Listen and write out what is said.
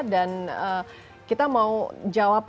dan kita mau jawab